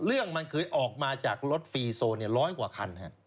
เรื่องมันเคยออกมาจากรถฟีโซร้อยกว่าคัน